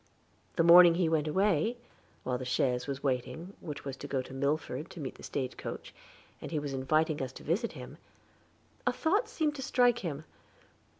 The morning he went away, while the chaise was waiting, which was to go to Milford to meet the stagecoach, and he was inviting us to visit him, a thought seemed to strike him.